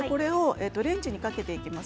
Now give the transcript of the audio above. レンジにかけていきます。